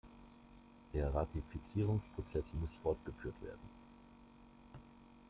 Der Ratifizierungsprozess muss fortgeführt werden.